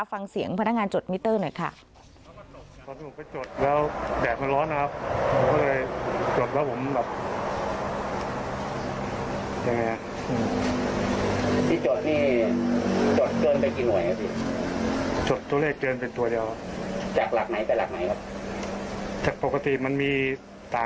ฟังเสียงพนักงานจดมิเตอร์หน่อยค่ะ